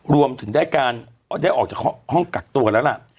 รวมถึงได้ออกจากกางห้องกัดตัวแล้วละ